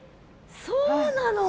そうなの？